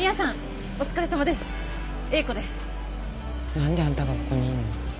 何であんたがここにいんの？